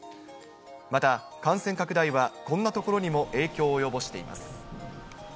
また感染拡大はこんな所にも影響を及ぼしています。